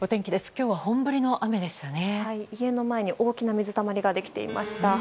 今日は本降りの雨でしたね。